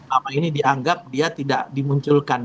selama ini dianggap dia tidak dimunculkan